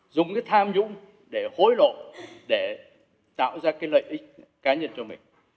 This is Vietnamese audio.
dùng cái tham nhũng để hối lộ để tạo ra cái lợi ích cá nhân cho mình